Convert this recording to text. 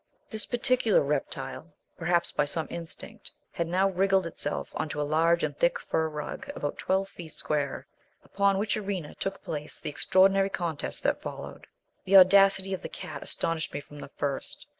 This particular reptile, perhaps by some instinct, had now wriggled itself on to a large and thick fur rug about twelve feet square, upon which arena took place the extraordinary contest that followed. The audacity of the cat astonished me from the first.